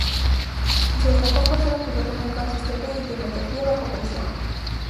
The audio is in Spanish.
Se destacó por ser un piloto muy consistente y de mente fría bajo presión.